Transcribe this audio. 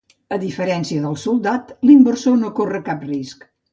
A diferència del soldat, l'inversor no corre cap risc.